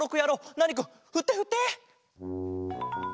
ナーニくんふってふって！